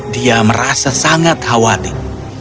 dia merasa sangat khawatir